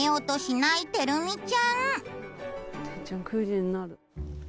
てるみちゃん９時になる。